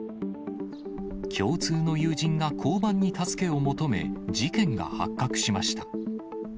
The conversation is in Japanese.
共通の友人が交番に助けを求め、事件が発覚しました。